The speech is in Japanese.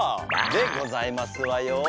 でございますわよ。